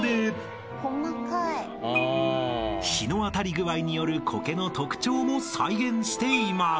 ［日の当たり具合によるこけの特徴も再現しています］